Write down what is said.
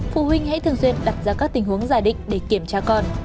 phụ huynh hãy thường xuyên đặt ra các tình huống giả định để kiểm tra con